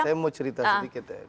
saya mau cerita sedikit